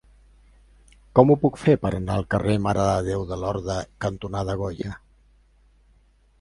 Com ho puc fer per anar al carrer Mare de Déu de Lorda cantonada Goya?